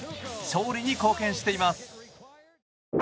勝利に貢献しています。